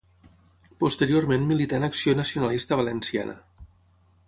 Posteriorment milità en Acció Nacionalista Valenciana.